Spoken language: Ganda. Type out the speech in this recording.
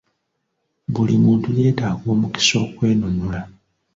Buli muntu yeetaaga omukisa okwenunula.